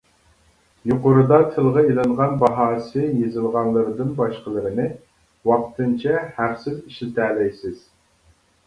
يۇقىرىدا تىلغان ئېلىنغان باھاسى يېزىلغانلىرىدىن باشقىلىرىنى ۋاقتىنچە ھەقسىز ئىشلىتەلەيسىز.